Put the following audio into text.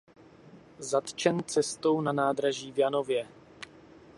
Zatčen cestou na nádraží v Janově.